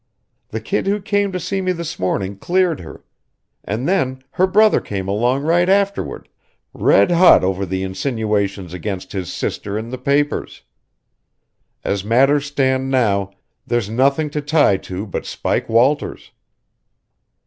The kid who came to see me this morning cleared her; and then her brother came along right afterward, red hot over the insinuations against his sister in the papers. As matters stand now, there's nothing to tie to but Spike Walters."